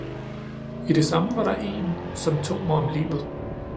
I det samme var der en, som tog mig om livet